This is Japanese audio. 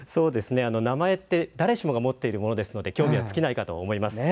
名前って誰しもが持っているものなので興味は尽きないと思います。